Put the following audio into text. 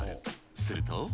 すると。